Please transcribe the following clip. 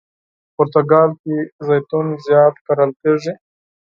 پرتګال کې زیتون ډېر زیات کښت کیږي.